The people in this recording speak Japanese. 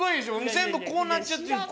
全部こうなっちゃって。